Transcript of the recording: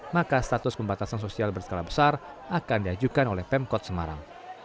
maka status pembatasan sosial berskala besar akan diajukan oleh pemkot semarang